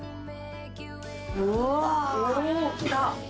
うわあ来た！